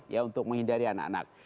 ya untuk menghindari anak anak